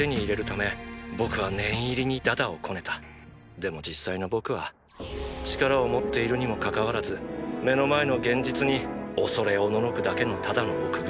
でも実際の僕は力を持っているにもかかわらず目の前の現実に恐れ慄くだけのただの臆病者。